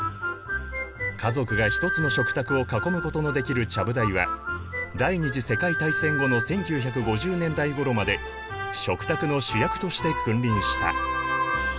家族が一つの食卓を囲むことのできるちゃぶ台は第二次世界大戦後の１９５０年代ごろまで食卓の主役として君臨した。